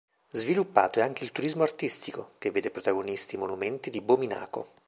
Sviluppato è anche il turismo artistico, che vede protagonisti i monumenti di Bominaco.